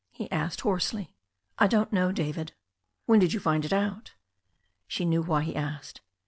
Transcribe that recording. he asked hoarsely. "I don't know, David." "When did you find it out?" She knew why he asked.